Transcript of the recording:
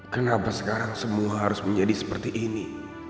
kenapa sekarang semua harus menjadi seperti ini